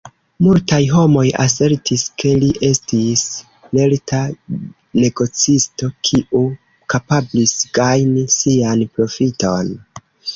Multaj homoj asertis, ke li estis lerta negocisto, kiu kapablis gajni sian profiton.